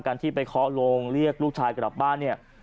ที่ไปเคาะลงเรียกลูกชายกลับบ้านเนี่ย